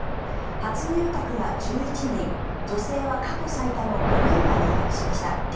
初入閣が１１人女性は過去最多の５人が入閣しました。